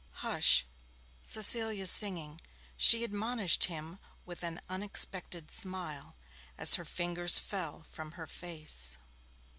'Hush! Cecilia's singing!' she admonished him with an unexpected smile, as her fingers fell from her face.